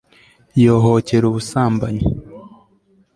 yohokera ubusambanyi